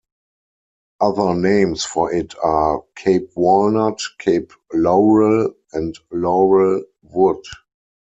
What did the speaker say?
Other names for it are Cape Walnut, Cape laurel, and laurel wood.